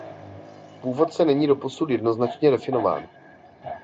Původce není doposud jednoznačně definován.